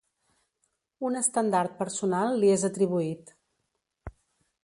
Un estendard personal li és atribuït.